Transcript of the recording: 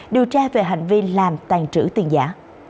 điều tra về hành vi làm tàn trữ tiền giả